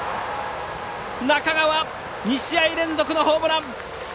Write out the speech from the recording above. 中川、２試合連続のホームラン！